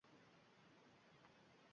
Mulk huquqi to'liq kafolatlangan